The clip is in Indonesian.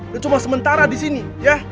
dan cuma sementara disini ya